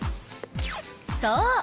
そう！